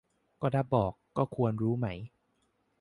ก็ถ้าบอกก็ควรรู้ไหม